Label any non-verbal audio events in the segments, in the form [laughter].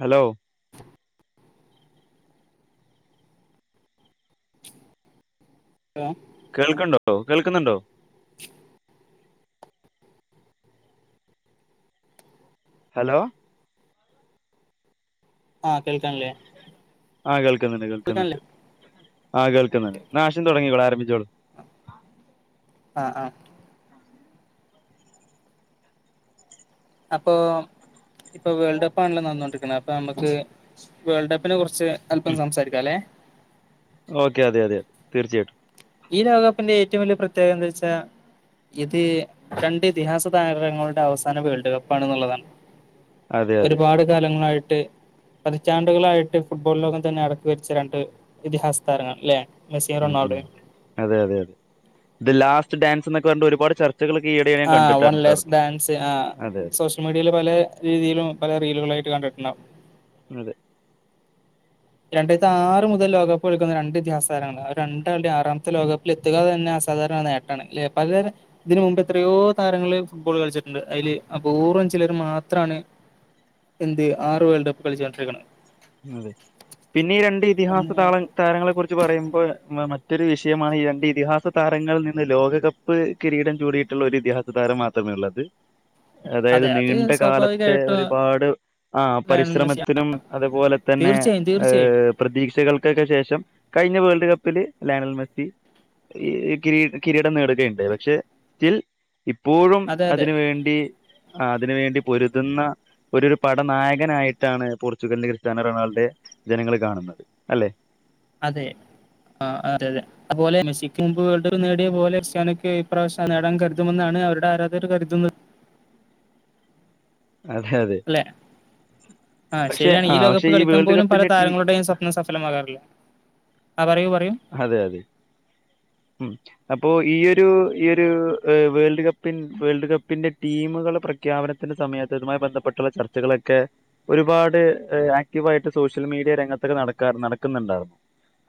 Hello [unintelligible] കേൾക്കണ്ടോ കേൾക്കുന്നുണ്ടോ hello ആ കേൾക്കാനില്ലേ ആ കേൾക്കുന്നുണ്ട് കേൾക്കാനില്ലേ കേൾക്കുന്നുണ്ട് ആ കേൾക്കുന്നുണ്ട് ന്നാ ഹാഷിം തുടങ്ങിക്കോളൂ ആ വിളിച്ചോളു ആഹ് അപ്പൊ ഇപ്പൊ വേൾഡ് കപ്പാണല്ലോ നടന്നോണ്ടിരിക്കുന്നത് അപ്പൊ നമുക്ക് വേൾഡ് കപ്പിനെ കുറിച്ച് അല്പം സംസാരിക്കാലെ ഓക്കെ അതെ അതെ അതെ തീർച്ചയായിട്ടും ഈ ലോകപ്പിന്റെ ഏറ്റവും വലിയ പ്രത്യേകത എന്താ വെച്ചാ ഇത് രണ്ട് ഇതിഹാസ താരങ്ങളുടെ അവസാന വേൾഡ് കപ്പ് ആണെന്നുള്ളതാണ്. അതെ അതെ ഒരുപാട് കാലങ്ങളായി ട്ട് പതിറ്റാണ്ടുകളായിട്ട് ഫുട്ബോൾ ലോകം തന്നെ അടക്കി ഭരിച്ച രണ്ട് ഇതിഹാസ താരങ്ങൾ അല്ലേ മെസിയും ഉം ഉം റൊണാൾഡോയും അതെ അതെ അതെ ഇത് ലാസ്റ്റ് ഡാൻസ് എന്നൊക്കെ പറഞ്ഞിട്ട് ഒരുപാട് ചർ ആ വൺ ലാസ്റ്റ് ഡാൻസ് ആ അതെ അതെ സോഷ്യൽ മീഡിയയിൽ പല രീതിയിലും പല റീലുകളായി ട്ട് കണ്ടിട്ടുണ്ടാവും അതെ രണ്ടായിരത്തി ആറ് മുതൽ ലോകകപ്പ് കളിക്കുന്ന രണ്ട് ഇതിഹാസ താരങ്ങളാണ് രണ്ടാളുടെയും ആറാമത്തെ ലോകപ്പിൽ എത്തുക തന്നെ അസാധാരണ നേട്ടാണ് അല്ലേ പലരും ഇതിന് മുമ്പ് എത്രയോ താരങ്ങള് ഫുട്ബോൾ കളിച്ചിട്ടുണ്ട് അതില് അപൂർവം ചിലർ മാത്രവാണ് എന്ത് ആറ് വേൾഡ്കപ്പ് കളിച്ചുകൊണ്ടിരിക്കണെ അതെ പിന്നെ ഈ രണ്ട് ഇതിഹാസ ഒന്ന് താള താരങ്ങളെ കുറിച്ച് പറയുമ്പോ മ റ്റൊരു വിഷയമാണ് ഈ രണ്ട് ഇതിഹാസ താരങ്ങളിൽ നിന്ന് ലോകകപ്പ് കിരീടം ചൂടിയിട്ടുള്ള ഒരു ഇതിഹാസ താരം മാത്രമുള്ളു എന്നുള്ളത് അതായത് അതെ അത് നീണ്ട കാലത്തെ സ്വാഭാവികമായിട്ടും ഒരുപാട് ആ ലയണൽ മെസ്സി പരിശ്രമത്തിനും അതുപോലെ തന്നെ തീർച്ചയായും തീർച്ചയായും പ്രതീക്ഷകൾക്കൊക്കെ ശേഷം കഴിഞ്ഞ വേൾഡ് കപ്പില് ലയണൽ മെസ്സി ഈ കിരീ കിരീടം നേടുകയുണ്ടായി പക്ഷെ സ്റ്റിൽ ഇ എപ്പോഴും അതെ അതെ അതിനുവേണ്ടി അതിനുവേണ്ടി പൊരുതുന്ന ഒരു ഒരു പടനായകനായിട്ടാണ്- [unintelligible] റൊണാൾഡോയെ ജനങ്ങൾ കാണുന്നത് അല്ലെ അതെ ആഹ് അതെ അതെ അത്പോലെ മെസ്സിക് മുമ്പ് വേൾഡ്കപ്പ് നേടിയ പോലെ ക്രിസ്ത്യനോക്ക് ഈ പ്രാവശ്യം നേടാൻ കരുതുമെന്നാണ്- അവരുടെ ആരാധകരു കരുതുന്നത്. [inaudible] അതെ അതെ ആഹ് പക്ഷെ ശെരിയാണ് ആ ഈ പക്ഷെ ലോകകപ്പ് കളിക്കാൻ വേൾഡ് പോലും പല കപ്പിന്റെ ടീ താരങ്ങളുടേയും സ്വപ്നം സഫലമാകാറില്ല. ആഹ് പറയൂ പറ അതെ അതെ മ് അപ്പോ ഈയൊരു ഈയൊരു വേൾഡ് കപ്പി വേൾഡ് കപ്പിന്റെ ടീമ പ്രഖ്യാപനത്തിന്റെ സമയത്ത് ഇതുമായി ബന്ധപ്പെട്ടുള്ള ചർച്ചകളൊക്കെ ഒരുപാട് ആക്റ്റീവ് ആയിട്ട് സൊ സോഷ്യൽ മീഡിയ രംഗത്തൊക്കെ നട നടക്ക്ന്ന്ണ്ടാർന്നു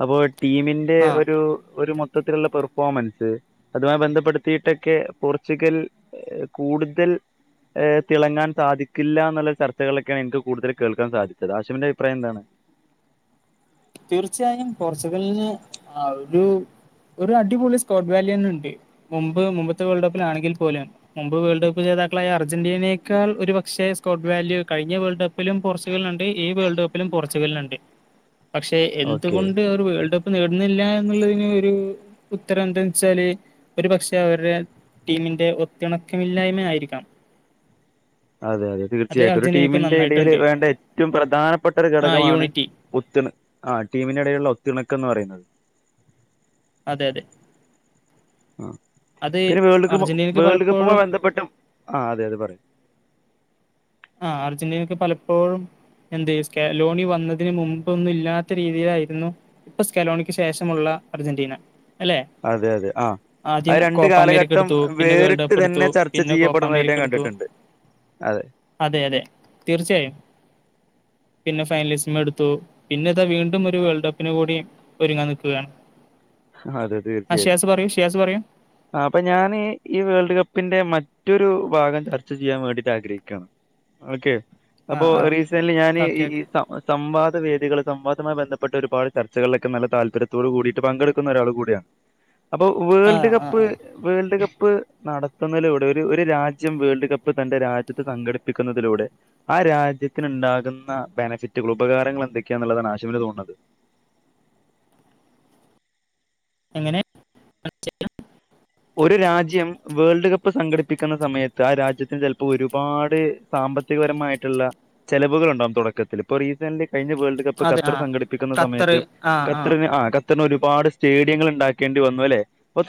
അപ്പോ ടീമിന്റെ ആഹ് ഒരു ഒരു- മൊത്തിലുള്ള പെർഫോമൻസ് അതുമായി ബന്ധപ്പെടുത്തിട്ടെക്കെ പോർച്ചുഗൽ കൂടുതൽ- ഏ തിളങ്ങാൻ സാധിക്കില്ല ന്ന്ള്ള ചർച്ചകളൊക്കെയാണ് എനിക്ക് കൂടുതൽ കേൾക്കാൻ സാധിച്ചത് ആശിമിന്റെ അഭിപ്രായം എന്താണ് തീർച്ചയായും പോർച്ചുഗലിന് ആഹ് ഒരു- ഒരു അടിപൊളി സ്കോട്ട് വാലിയന്ണ്ട് മുമ്പ് മുമ്പത്തെ വേൾഡ് കപ്പിലാണേങ്കിൽ - പോലെ മുമ്പ് വേൾഡ് കപ്പ് ജേതാക്കളായ അർജന്റീനയെക്കാൾ ഒരു പക്ഷേ സ്കോട്ട് വാല്യൂ കഴിഞ്ഞ വേൾഡ് കപ്പിലും- പോർച്ചുഗലിന്ണ്ട് ഈ വേൾഡ് കപ്പിലും പോർച്ചുഗലിന്ണ്ട് പക്ഷെ ഓക്കെ എന്തുകൊണ്ട് അവര് വേൾഡ്- കപ്പ് നേടുന്നില്ല എന്നുള്ളതിന് ഒരു ഉത്തരം എന്താ വെച്ചാല് ഒരു പക്ഷെ അവരടെ- ടീമിന്റെ ഒത്തിണക്കമില്ലായ്മ ആയിരിക്കാം അതെ അതെ അത് തീർച്ചയായിട്ടും ഒരു അർജന്റീനക്ക് ടീമിന്റെ ഇടയിൽ നന്നായിട്ടുണ്ട് വേണ്ട ഏറ്റവും പ്രധാനപ്പെട്ട ഒരു ആ ഘടകമാണ് യൂണിറ്റി ഒത്തിണ ആഹ് ടീമിനിടയില്ള്ള ഒത്തിണക്കന്ന് പറയുന്നത്. അതെ അതെ ആഹ് അത് പിന്നെ വേൾഡ് കപ്പ് അർജന്റീനക്ക് വേൾഡ് പലപ്പോഴും കപ്പുമായി ബന്ധപ്പെട്ട് ആഹ് അതെ അതെ പറയിം ആഹ് അർജന്റീനക്ക് പലപ്പോഴും എന്ത് സ്കലോണി വന്നതിന് മുമ്പൊന്നും ഇല്ലാത്ത രീതിയിലായിരുന്നു ഇപ്പൊ സ്കലോണിക്ക് ശേഷമുള്ള അർജന്റീന അല്ലെ അതെ അതെ ആഹ് ആദ്യം ആഹ് രണ്ട് കോപ്പ അമേരിക്ക കാലഘട്ടം എടുത്തു പിന്നെ വേൾഡ് വേറ്ട്ട് കപ്പ് എടുത്തു തന്നെ ചർച്ച പിന്നെ കോപ്പ ചെയ്യപ്പെടുന്നതായിട്ട് അമേരിക്ക ഞാൻ എടുത്തു കണ്ട്ട്ട്ണ്ട് അതെ അതെ അതെ തീർച്ചയായും പിന്നെ ഫൈനലിസ്റ്റം എടുത്തു പിന്നെ ഇതാ വീണ്ടും ഒരു വേൾഡ് കപ്പിന് കൂടി ഒരുങ്ങാനിക്കുകയാണ് അതെ തീർച്ചയായിട്ടും പറയൂ ആഹ് അപ്പൊ ഞാൻ ഈ വേൾഡ് കപ്പിന്റെ മറ്റൊരു ഭാഗം ചർച്ച ചെയ്യാൻ വേണ്ടീട്ട് ആഗ്രഹിക്കയാണ് ഓക്കേ അപ്പോ ആഹ് ആഹ് റീസെന്റ്ലി ഞാന് ഓക്കെ ഈ ഓക്കെ സംവാദ വേദികൾ സംവാദമായി ബന്ധപ്പെട്ട് ഒരുപട് ചർച്ചളൊക്കെ നല്ല താല്പര്യത്തോട് കൂടിട്ട് പങ്കെട് ക്ക്ന്നൊരാള് കൂടിയാണ് അപ്പോ വേൾഡ് ആഹ് ആഹ് കപ്പ് ആഹ് വേൾഡ് കപ്പ് നടത്തുന്നതിലൂടെ ഒര് ഒരു രാജ്യം വേൾഡ് കപ്പ് തന്റെ രാജ്യത്ത് സംഘടിപ്പിക്കുന്നതിലൂടെ ആഹ് രാജ്യത്തിന്ണ്ടാക്ന്ന ബെനഫിറ്റുകൾ ഉപകാരങ്ങൾ എന്തൊക്കേന്ന്ള്ളതാണ് ആശിമിന് തോണത്? എങ്ങനെ [unintelligible] പ്പിക്കുന്ന സമയത്ത് ആ രാജ്യത്തിന് ചെലപ്പോ ഒരുപാട് സാമ്പത്തികപരമായിട്ട്ള്ള ചെലവുകൾ ഉണ്ടാകും [unintelligible] റീസറ്ലി കഴിഞ്ഞ വേൾഡ് കപ്പ് അതെ ഖത്തർ ആഹ് സംഘടിപ്പിക്കുന്ന ഖത്തറ് സമയത്ത് ആഹ് ഖത്തറിന് ആഹ് ഖത്തർ ഒര്പാട് സ്റ്റേഡിയങ്ങൾ ണ്ടാക്കേണ്ടി വന്നു അല്ലെ അപ്പ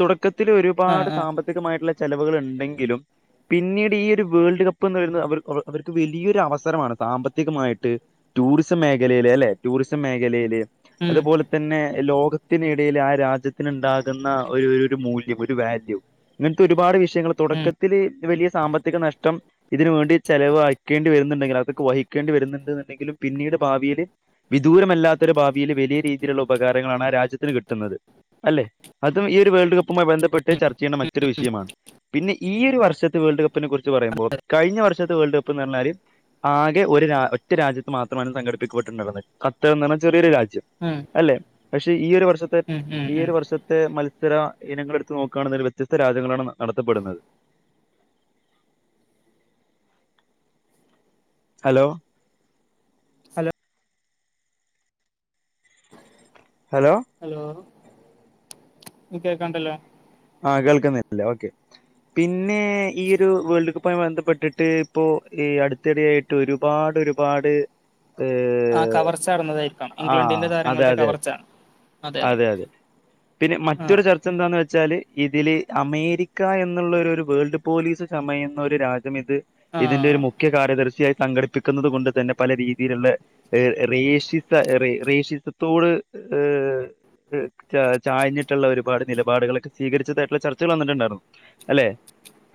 ആഹ് തുടക്കത്തിലൊര്പാട് ആഹ് സാമ്പത്തികമായിട്ടുള്ള- ചെലവ്കള്ണ്ടെങ്കിലും- പിന്നീട് ഈ ഒരു വേൾഡ് കപ്പ് എന്ന് പറയുന്നത് അവ അവർക്ക് വലിയൊരു അവസരമാണ് സാമ്പത്തികമായ്ട്ട്- ടൂറിസം മേഖലേല് അല്ലെ ടൂറിസം മേഖലേല്- ഉം അതുപോലെ തന്നെ ലോകത്തിനിടയില് ആ രാജ്യത്തിന്ണ്ടാകുന്ന ഒരു ഒരു മൂല്യം- ഒര് വാല്യൂ ഇങ്ങനത്തെ ഒരുപാട് വിഷയങ്ങള് ഉം തുടക്കത്തില് ഇത് വലിയ- സാമ്പത്തിക നഷ്ടം ഇതിനുവേണ്ടി ചെലവാക്കേണ്ടി വരുന്നുണ്ടെങ്കിൽ അതൊക്കെ വഹിക്കേണ്ടി വര്ന്ന്ണ്ട്ന്ന്ണ്ടെങ്കിലും പിന്നീട്- ഭാവീല് വിദൂരമല്ലാത്തൊരു ഭാവീല് വലിയ രീതിയിലുള്ള ഉപകാരങ്ങളാണ് ആ രാജ്യത്തിന് കിട്ട്ന്നത്. അല്ലെ അതും ഈ ഒരു വേൾഡ് കപ്പുമായി ബന്ധപ്പെട്ട് ചർച്ച ചെയ്യേണ്ട മറ്റൊരു വിഷയമാണ്. പിന്നെ ഈ ഒരു വർഷത്തെ വേൾഡ് കപ്പിനെ കുറിച്ച് പറയുമ്പോ കഴിഞ്ഞ വർഷത്തെ വേൾഡ് കപ്പ് ന്ന് പറഞ്ഞാല്. ആകെ ഒരു ഒറ്റ രാജ്യത്ത് മാത്രമാണ് സംഘടിപ്പിക്കപ്പെട്ടണ്ടന്നത് ഖത്തർന്ന് പറഞ്ഞാ ചെറിയൊരു രാജ്യം- ച്ചു ഉം അല്ലെ പക്ഷെ ഈ ഒരു വർഷത്തെ ഉം ഉം ഈ ഉം ഒരു വർഷത്തെ മത്സര- ഇനങ്ങള്ട്ത്ത് നോക്കാണ്ന്നേൽ വ്യത്യസ്ത രാജ്യങ്ങളാണ് നടത്തപ്പെടുന്നത്. ഹലോ- ഹലോ ഹലോ കേക്കാണ്ടല്ലോ. - ആഹ് കേൾക്കുന്നില്ലേ ഓക്കെ. പിന്നെ ഈ ഒരു വേൾഡ് കപ്പുമായി ബന്ധപ്പെട്ടിട്ട് ഇപ്പോഈ അടുത്തിടെയായിട്ട് ഒരുപാ ട് ഒരുപാട്. ആഹ് ഏഹ് കവർച്ച നടന്നതായിരിക്കാം ആ ഇംഗ്ലണ്ടിന്റെ അതെ താരങ്ങളുടെ അതെ കവർച്ച. അതെ അതെ പിന്നെ ആ മറ്റൊരു ചർച്ച എന്താന്നെച്ചാല്. ഇതില് അമേരിക്ക എന്നുള്ള ഒരു ഒരു വേൾഡ് പോലീസ് ചമയുന്ന ഒരു രാ ഇത് ആ ഇതിന്റൊരു മുഖ്യ കാര്യദർശിയാ- സംഘടിപ്പിക്കുന്നത് കൊണ്ട് തന്നെ പല രീതിയിലുള്ള എ റേഷിസ റേഷിസത്തോട്. ഏഹ്- ച ചായ്ഞ്ഞിട്ട്ള്ള ഒരുപാട് നിലപാടുകളൊക്കെ സ്വീകരിച്ചതായിട്ട്ള്ള ചർച്ചകള് വന്ന്ട്ട്ണ്ടാര്ന്നു അല്ലെ.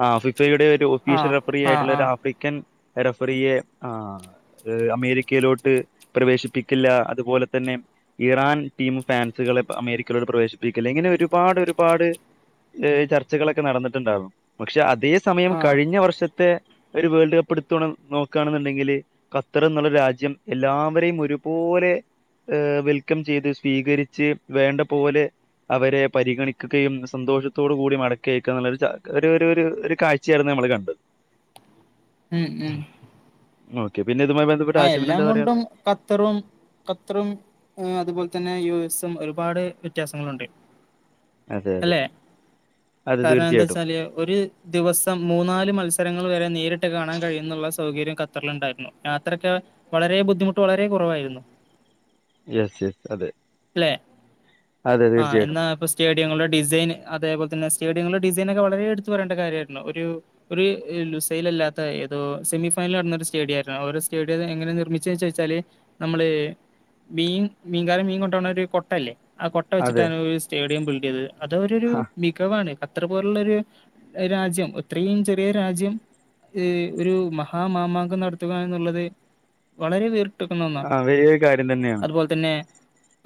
ആ ഫിഫയുടെ ഒരു ആ ഒഫീഷ്യൽ റഫറി ആ ആയിട്ടുള്ള ആ ഒരു ആഫ്രിക്കൻ റഫറിയെ ആ അമേരിക്കയിലോട്ട് പ്രവേശിപ്പിക്കില്ല അതുപോലെ തന്നെ. ഇറാൻ ടീം ഫാൻസുകളെ അമേരിക്കയിലോട് പ്രവേശിപ്പിക്കില്ലെ ഇങ്ങനെ ഒരുപാട് ഒരുപാട് ഈ ചർച്ചകളൊക്കെ നടന്നിട്ടുണ്ടാരുന്നു. പക്ഷെ അതേ സമയം ആ കഴിഞ്ഞ വർഷ ത്തെ ഒരു വേൾഡ് കപ്പ് എടുത്തു നോക്കാണെന്നുണ്ടെങ്കിൽ ഖത്തർ എന്നുള്ള രാജ്യം എല്ലാവരെയും ഒരു പോലെ വെൽക്കം ചെയ്ത് സ്വീകരിച്ച് വേണ്ട പോലെ. അവരെ പരിഗണിക്കുകയും സന്തോഷത്തോട് കൂടി മടക്കിയയ്ക്ക ന്നു ള്ളൊരു ച ഒരു ഒര് ഒര് ഒരു കാഴ്ചയായിരുന്നു മ്മള് കണ്ട്. ഉം ഉം ഓക്കെ. പിന്നെ ഇതുമായി ബന്ധപ്പെട്ട് ആ ആശിമിന് എല്ലാം എന്താ കൊണ്ടും പറയാനുള്ളത്? ഖത്തറും ഖത്തറും അതുപോലെ തന്നെ യു സം ഒരുപാട് വ്യത്യാസങ്ങളുണ്ട്. അതെ അതെ അതെ കാരണ ന്താ തീർച്ചയായിട്ടും. ച്ചാല് ഒരു ദിവസം മൂന്നാല് മത്സരങ്ങൾ വരെ നേരിട്ട് കാണാൻ കഴിയുന്നുള്ള സൗകര്യം. ഖത്തറിലുണ്ടായിരുന്നു യാത്രൊക്കെ വളരെ ബുദ്ധിമുട്ട് വളരെ കുറവായിരുന്നു. യെസ് യെസ് അതെ അല്ലെ അതെ ആ തീർച്ചയായിട്ടും. എന്നാ പ്പ സ്റ്റേഡിയങ്ങളുടെ ഡിസൈൻ അതേപോലെ തന്നെ സ്റ്റേഡിയങ്ങൾ. ഡിസൈനൊക്കെ വളരെ എടുത്തു പറയേണ്ട കാര്യായിരുന്നു. ഒരു ഒരു ലുസയ്ൽ ലല്ലാത്ത ഏതോ സെമിഫൈനൽ നടന്നിട്ട്. സ്റ്റേഡിയായിര് അവരെ സ്റ്റേഡിയം എങ്ങനെ നിർമിച്ചെച്ചെയ്ച്ചാല് നമ്മള് മീൻ മീൻകാരൻ മീൻ കൊ ണ്ടൊണൊരു കൊട്ടല്ലേ ആ കൊട്ട അതെ. വെച്ചിട്ടാണ് ഒരു സ്റ്റേഡിയം ബിൽഡ് ചെയ്തത് അത് അവരാെരു മികവാണ് അത്ര പോലുള്ളൊരു രാജ്യം ഇത്രയും ചെറിയ രാജ്യം ഹ് ഒര് മഹാമാമാങ്കം നടത്തുക എന്നുള്ളത് വളരെ വേർ ക്ക്ന്ന ഒന്നാ ആഹ് വലിയൊരു കാര്യം തന്നെയാണ്. അതുപോലെ തന്നെ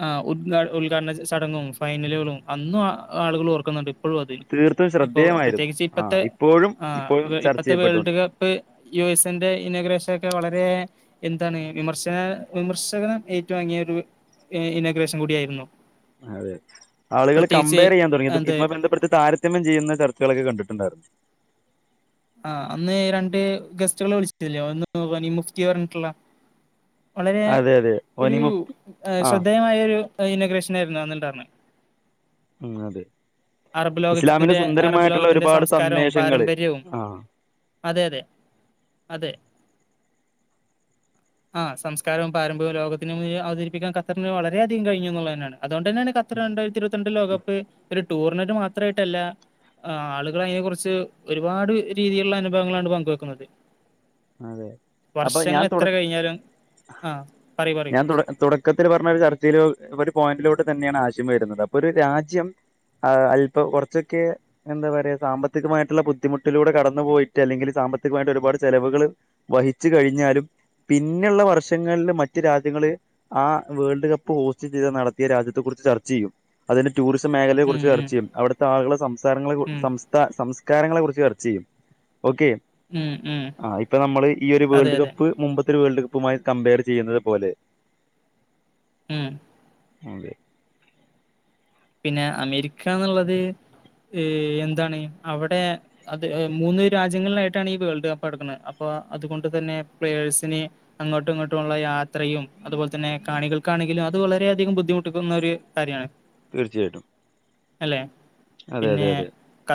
ആ ഉദ്ഘാ ഉദ്ഘാടന ചടങ്ങും ഫൈനലുകളും അന്നും ആളുകൾ ഓർക്ക്ന്ന്ണ്ട് പ്പൊഴും അത് തീർത്തും ഇപ്പോ ശ്രദ്ധേയമായിരുന്നു പ്രത്യേകിച്ച് ആ ഇപ്പത്തെ ഇപ്പോഴും ആ ഇപ്പോഴും ചർച്ച ഇപ്പത്തെ വേൾഡ് ചെയ്യപ്പെട്ടുണ്ട് കപ്പ് യുഎസ്ന്റെ ഇനാഗുരേഷൻ ഒക്കെ വളരെ എന്താണ് വിമർശന വിമർശകനം ഏറ്റു വാങ്ങിയ ഒരു ഏ ഇനാഗ്രേഷൻ കൂട്യേയ്ര്ന്നു അതെ ആളുകൾ കമ്പയർ ചെയ്യാൻ തുടങ്ങി ഇത് എന്ത് ഇതുമായി ബന്ധപ്പെടുത്തി താരതമ്യം ചെയ്യുന്ന ചർച്ചകളൊക്കെ കണ്ടിട്ടുണ്ടായിരുന്നു ആ അന്ന് രണ്ട് ഗസ്റ്റുകളെ വിളിച്ചിട്ടില്ലേ ഒന്ന് വനീംമുഫ്തി പറഞ്ഞിട്ട്ള്ള വളരെ അതെ അതെ ഒരു ഒനിമു ഏ ആ ശ്രദ്ധേയമായൊരു അ ഇനാഗുരേഷൻ വര്ന്നാേന്ന്ണ്ടാർന്ന് ഉം അതെ അറബ് ഇസ്ലാമിന് ലോകത്തിറെ അറബ് സുന്ദരമായിട്ടുള്ള ലോകത്തിന്റെ ഒരുപാട് സംസ്കാരവും സന്ദേശങ്ങള് പാരമ്പര്യവും ആ അതെ അതെ അതെ [unintelligible] ആ സംസ്കാരവും പാരമ്പര്യവും ലോകത്തിനന് അവതരിപ്പിക്കാൻഖത്തറിന് വളരെയധികം കഴിഞ്ഞു എന്നുള്ളത് തന്നെയാണ് അതുകൊണ്ട് തന്നെയാണ് ഖത്തർ രണ്ടായിരത്തി ഇരുപത്തി രണ്ട് ലോകകപ്പ് ഒരു ടൂർണെന്റ് മാത്രമായിട്ടല്ല ആ ആളുകൾ അതിനെ കുറിച്ച് ഒരുപാട് രീതിയിലുള്ള അനുഭവങ്ങളാണ് പങ്കുവെക്കുന്നത് അതെ അപ്പൊ വർഷങ്ങൾ ഞാൻ തുട എത്ര കഴിഞ്ഞാലും ആഹ് പറയൂ പറയൂ ഞാൻ തു തുടക്കത്തി പറഞ്ഞരു ചർച്ചേൽ പോയിന്റിലോട്ട് തന്നെയാണ് ആശയം വരുന്നത് അപ്പൊ ഒരു രാജ്യം ആ അൽപ്പം കുറച്ചൊക്കെ എന്താ പറയാ സാമ്പത്തികമായിട്ടുള്ള ബുദ്ധിമുട്ടിലൂടെ കടന്നു പോയിട്ട് അല്ലെങ്കിൽ സാമ്പത്തികമായിട്ട് ഒരുപാട് ചെലവുകൾ വഹിച്ചു കഴിഞ്ഞാലും പിന്നെയുള്ള വർഷങ്ങളില് മറ്റ് രാജ്യങ്ങള് ആ വേൾഡ് കപ്പ് ഹോസ്റ്റ് ചെയ്ത നടത്തിയ രാജ്യത്തെ കുറി ച്ച് ചർച്ച ചെയ്യും അതിന്റെ ടൂറിസം മേഖലയെ ഉം കുറിച്ച് ഉം ചർച്ച ചെയ്യും അവിടുത്തെ ആളുകളുടെ സംസാരങ്ങളെ ഉം സംസാ സം കാരങ്ങളെ കുറിച്ച് ചർച്ച ചെയ്യും ഓക്കെ ഉം ഉം ആ ഇപ്പൊ നമ്മള് ഈ ഒരു അതെ വേൾഡ് അതെ കപ്പ് മുമ്പത്തെ ഒരു വേൾഡ് ക പ്പുമായി കമ്പയർ ചെയ്യ്തത് പോലെ ഉം അതെ പിന്നെ അമേരിക്കാന്നുള്ളത് ഏ എന്താണ് അവിടെ അത് മൂന്ന് രാജ്യങ്ങളിലായിട്ടാണ് ഈ വേൾഡ് കപ്പ് അടുക്കുന്നത് അപ്പൊ അതുകൊണ്ട് തന്നെ പ്ലേഴസിന് അങ്ങോട്ടും ഇങ്ങോട്ടുമുള്ള യാത്രയും അതുപോലെ തന്നെ കാണികൾക്കാണെങ്കിലും അത് വളരെയധികം ബുദ്ധിമുട്ടിക്കുന്ന ഒരു കാര്യമാണ് തീർച്ചായായിട്ടും അല്ലേ അതെ അതെ അതെ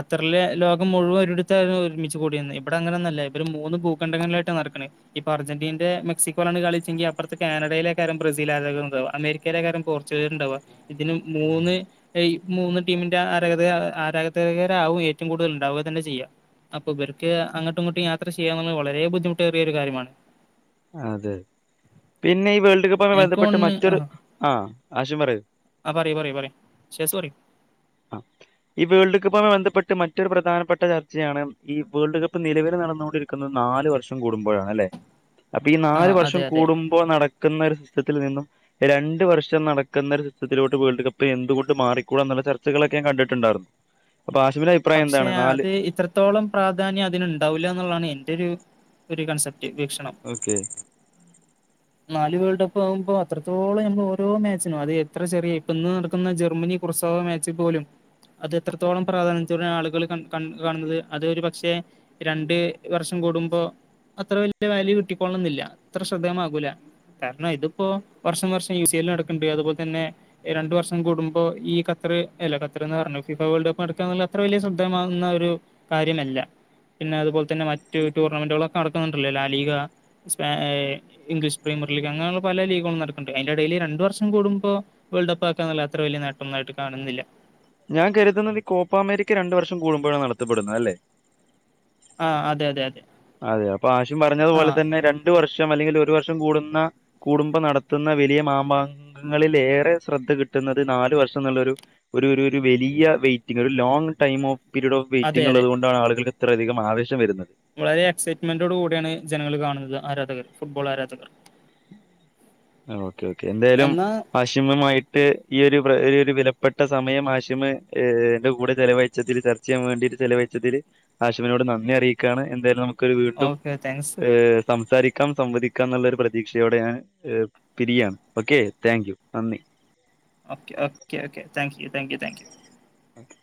ഖത്തറിൽ ലോകം മുഴുവൻ ഒരിടത്തായിരുന്നു ഒരുമിച്ച് കൂടിയിരുന്നത് ഇവിടെ അങ്ങനെന്നല്ല ഇവര് മൂന്ന് ഭൂഖണ്ഡങ്ങളിലായിട്ടാണ് നടക്കണേ ഇപ്പം അർജന്റീന്റെ മെക്സിക്കോ ലാണ് കളിച്ചെങ്കി അപ്പറത്തെ കാനഡയിലാക്കാരം ബ്രസീലാര്ത് അമേരിക്കയിലെ കാരം പോർ ച്ചുഗൽണ്ടവാ ഇതിന് മൂന്ന് ഈ മൂന്ന് ടീമിന്റെ ആരാ ആരാധകരാവും ഏറ്റവും കൂടുതൽ ഉണ്ടാവുക തന്നെ ചെയ്യാം അപ്പൊ ഇവർക്ക് അങ്ങോട്ടും ഇങ്ങോട്ടും യാത്ര ചെയ്യാ വളരെ ബുദ്ധിമുട്ടേറിയൊ ഒരു കാര്യമാണ് അതെ പിന്നെ ഈ വേൾഡ് കപ്പ്മായി എനിക്ക് ബന്ധപ്പെട്ട് തോന്നുന്നു മറ്റൊരു ആ ആശയം പറയൂ പറി പറി പറി ശിയാസ് പറി ആ ഈ വേൾഡ് കപ്പുമായി ബന്ധപ്പെട്ട് മറ്റൊരു പ്രധാനപ്പെട്ട ചർച്ചയാണ് ഈ വേൾഡ് കപ്പ് നിലവിൽ നടന്നുകൊണ്ടിരിക്കുന്നത് നാല് വർഷം കൂടുമ്പോഴണല്ലേ അപ്പൊ ഈ ആ നാല് വർഷം അതെ അതെ കൂടുമ്പോൾ നടക്കുന്ന- ത്തിൽ നിന്നും രണ്ട വർഷം നടക്കുന്ന ചിത്രത്തിലോട്ട് വേൾഡ് കപ്പ് എന്തുകൊണ്ട് മാറിക്കൂട എന്നുള്ള ചർച്ച- നിങ്ങൽ ഒക്കെ കണ്ടിട്ടുണ്ടാവും പക്ഷേ അത് ഇത്രത്തോളം പ്രാധാന്യം അതിനന്ുണ്ടാവില്ല എന്നുള്ളതാണ് എൻറെ ഒരു കൺസെപ്റ്റ് വീക്ഷണം ഓക്കെ നാല് വേൾഡ് കപ്പ് ആവുമ്പോൾ അത്രത്തോളം നമ്മൾ ഓരോ മാച്ചിനും അത് എത്ര ചെറിയ ഇപ്പ ഇന്ന് നടക്കുന്ന ജർമ്മനി കു- ഇപ്പൊ മാച്ചിൽപൊലും അത് എത്രത്തോളം പ്രാധാന്യം ആളുകൾ കാണുന്നത് അതൊരു പക്ഷേ രണ്ട് വർഷം കൂടുമ്പോ- അത്ര വല്യ കിട്ടിക്കോൊള്ളന്നില്ല അത്ര ശ്രദ്ധേമാകൂല കാരണം ഇതിപ്പോ വർഷം വർഷം യു സ എൽ നടക്കണ്ടണ്ട് അതുപോലെ തന്നെ രണ്ടു വർഷം കൂടുമ്പോ ഈ ക- പറഞ്ഞു ഫഫ വേൾഡ് കപ്പ് നടക്ക അത്ര വലിയ ശ്രദ്ധമാകുന്ന ഒരു കാര്യമല്ല പിന്നെ അതുപോലെ തന്നെ മറ്റ ടൂർണമെന്റുകളൊക്കെ നടക്കുന്നുണ്ടോ ലീഗ ഇംഗ്ലീഷ് പ്രീ- പല ലീഗുകളും നടക്കണ്ട് അന്റെ ഡെയിലി രണ്ട് വർഷം കൂടുമ്പോ വേൾ്ട് കപ്പ്‌ അത്ര വിയ നേട്ടം കാണുന്നില്ല ഞാൻ കരുതുന്നത് ഈ കോപ്പാ അമേക്ക് രണ്ടു വർഷം കൂടുമ്പോഴാണ് നടത്തപ്പെടുന്നത് അല്ലേ ആ അതെ അതെ അതെ അതെ അപ്പൊ ആരും ആ പറഞ്ഞതുപോലെ തന്നെ രണ്ട വർഷം അല്ലെങ്കിൽ ഒരു വർഷം കൂടുന്ന കൂടുമ്പോ നടത്തുന്ന വലിയ മാമാങ്കങ്ങളിൽേഏറെ ശ്രദ്ധ കിട്ടും നല് വർഷയുള്ള വലിയ വെയിറ്റി ലോങ് ടൈം ഓഫ് പീരഡ് അതെ ഓഫ്െയിറ്റി അതെ ഉള്ളുകൊണ്ടാണ് ആളുകൾക്ക്ത്ര അധികം ആവശം വരുന്നത് വളരെ എക്സൈറ്റ്മെന്റോട് കൂടിയാണ് ജനങ്ങങ്ങള് കാണുന്നത് ആരാധകർ ഫുട്ബോൾ ആരാധകർ ഓക്കെ ഓക്കെ എന്തായാലും എന്നാ വാശിമമായിട്ട് ഈ ഒരു- വിലപ്പെട്ട സമയം ആശിമ്ന്റെ കൂടെ ചെലവഴിച്ചത്തിൽ ചർച്ച ചെയ്യാൻ വേണ്ടിട്ട് ചെലവഴിച്ചതിൽ- ആശനോട് നന്ദി അറിയിക്കയാണ് എന്തായാലും നക്ക്- വീണ്ടും ഓക്കെ താങ്ക്സ് സംസാരിക്കാം സംവദിക്കാം എന്നുള്ള പ്രതീക്ഷയോടെ പിരിയാണ് ഓക്കെ താങ്ക്യു നന്ദി okay okay okay thank you thank you thank you okay